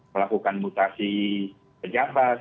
melakukan mutasi pejabat